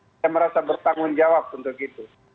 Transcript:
saya merasa bertanggung jawab untuk itu